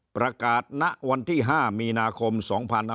ประกาศณวันที่๕มีนาคมศ๒๖๐๐